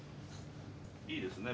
いいですね